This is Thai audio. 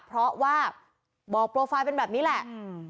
เพราะว่าบอกโปรไฟล์เป็นแบบนี้แหละ